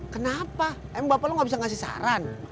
kenapa emang bapak lo gak bisa ngasih saran